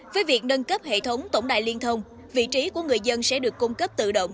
với việc nâng cấp hệ thống tổng đài liên thông vị trí của người dân sẽ được cung cấp tự động